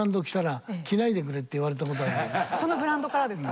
そのブランドからですか？